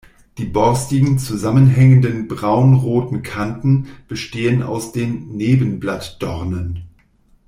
Die borstigen, zusammenhängenden, braunroten Kanten bestehen aus den Nebenblattdornen.